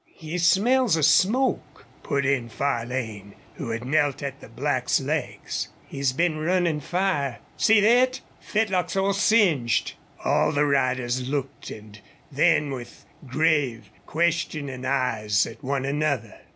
"He smells of smoke," put in Farlane, who had knelt at the black's legs. "He's been runnin' fire. See thet! Fetlocks all singed!" All the riders looked, and then with grave, questioning eyes at one another.